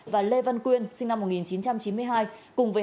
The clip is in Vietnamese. và lê văn quyên sinh năm một nghìn chín trăm chín mươi hai